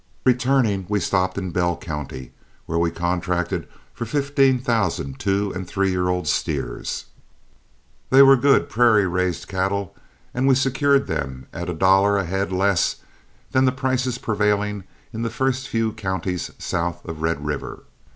Returning, we stopped in Bell County, where we contracted for fifteen thousand two and three year old steers. They were good prairie raised cattle, and we secured them at a dollar a head less than the prices prevailing in the first few counties south of Red River.